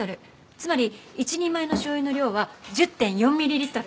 つまり１人前の醤油の量は１０．４ミリリットル。